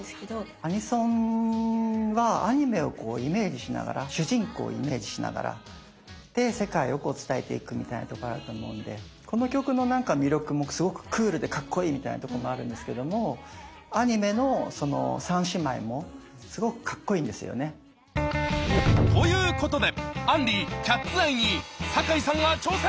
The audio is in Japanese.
アニソンはアニメをこうイメージしながら主人公をイメージしながら世界をこう伝えていくみたいなとこあると思うんでこの曲の魅力もすごくクールでかっこいいみたいなとこもあるんですけどもアニメのその三姉妹もすごくかっこいいんですよね。ということで杏里「ＣＡＴ’ＳＥＹＥ」に坂井さんが挑戦！